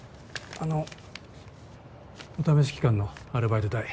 あのお試し期間のアルバイト代